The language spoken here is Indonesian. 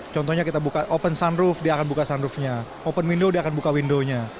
contohnya kita buka open sunroove dia akan buka sunroofnya open window dia akan buka window nya